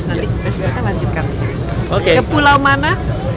nanti besok kita lanjutkan ke pulau mana